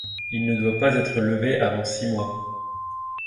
Il ne doit pas être levé avant six mois.